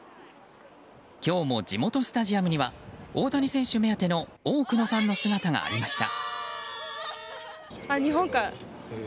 今日も地元スタジアムには大谷選手目当ての多くのファンの姿がありました。